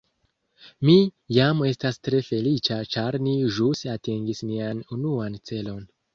Mi jam estas tre feliĉa ĉar ni ĵus atingis nian unuan celon